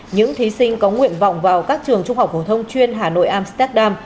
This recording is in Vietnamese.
những thí sinh có nguyện vọng vào các trường trung học phổ thông chuyên hà nội amsterdam